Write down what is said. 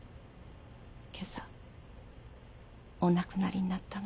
今朝お亡くなりになったの。